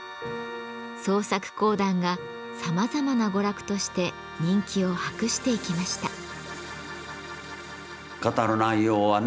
創作講談がさまざまな娯楽として人気を博していきました。